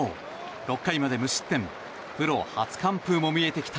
６回まで無失点プロ初完封も見えてきた